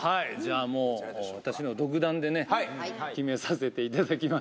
もう私の独断で決めさせていただきます。